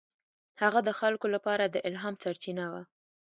هغه د خلکو لپاره د الهام سرچینه وه.